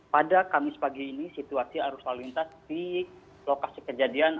pada kamis pagi ini situasi arus lalu lintas di lokasi kejadian